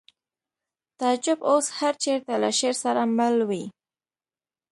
تعجب اوس هر چېرته له شعر سره مل وي